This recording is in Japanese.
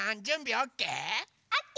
オッケー！